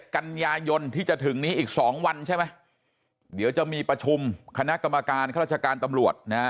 กันยายนที่จะถึงนี้อีก๒วันใช่ไหมเดี๋ยวจะมีประชุมคณะกรรมการข้าราชการตำรวจนะฮะ